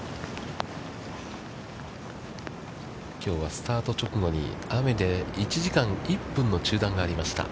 きょうはスタート直後に雨で１時間１分の中断がありました。